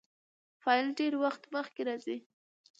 فاعل ډېرى وخت مخکي راځي.